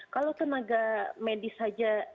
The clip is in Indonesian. kalau tenaga medis saja